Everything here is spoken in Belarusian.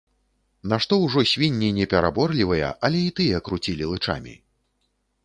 Нашто ўжо свінні непераборлівыя, але і тыя круцілі лычамі.